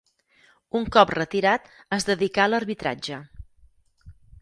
Un cop retirat es dedicà a l'arbitratge.